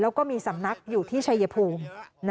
แล้วก็มีสำนักอยู่ที่ชายภูมิ